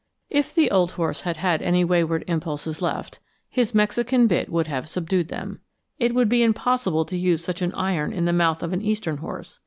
If the old horse had had any wayward impulses left, his Mexican bit would have subdued them. It would be impossible to use such an iron in the mouth of an eastern horse.